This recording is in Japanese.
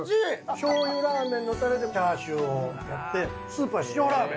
しょうゆラーメンのタレでチャーシューをやってスープは塩ラーメン。